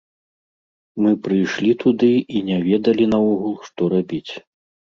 Мы прыйшлі туды і не ведалі наогул, што рабіць.